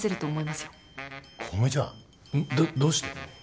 どどうして？